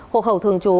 hộ khẩu thường trú